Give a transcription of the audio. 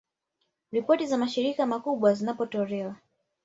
Ripoti za mashirika makubwa zinapotolewa